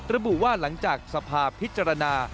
ระบุว่าหลังจากสภาพิจารณา